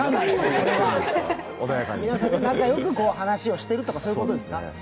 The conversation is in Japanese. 皆さんと仲よく話をしているということですか？